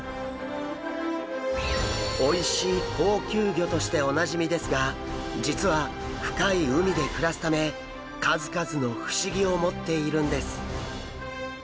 おいしい高級魚としておなじみですが実は深い海で暮らすため数々の不思議を持っているんです。